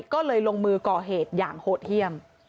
ก็เลยลงมือก่อเหตุอย่างโหดเยี่ยม